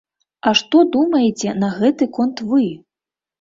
А што думаеце на гэты конт вы?